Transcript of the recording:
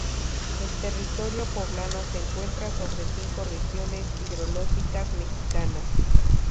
El territorio poblano se encuentra sobre cinco regiones hidrológicas mexicanas.